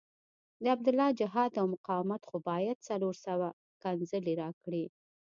د عبدالله جهاد او مقاومت خو باید څلور سوه ښکنځلې راکړي.